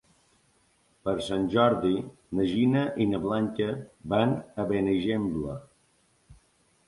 Per Sant Jordi na Gina i na Blanca van a Benigembla.